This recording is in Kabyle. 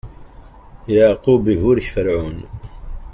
Yeɛqub iburek Ferɛun.